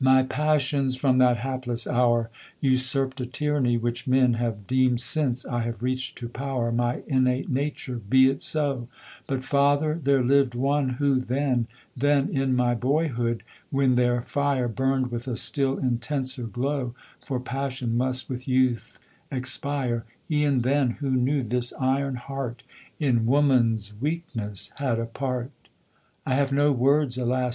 My passions, from that hapless hour, Usurp'd a tyranny which men Have deem'd since I have reach'd to power, My innate nature be it so: But father, there liv'd one who, then, Then in my boyhood when their fire Burn'd with a still intenser glow, (For passion must, with youth, expire) E'en then who knew this iron heart In woman's weakness had a part. I have no words alas!